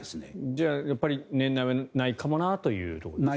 じゃあ年内はないかもなというところですね。